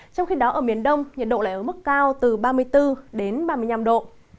trong khi đó ở miền đông nhiệt độ lại ở mức cao từ ba mươi bốn đến ba mươi năm độ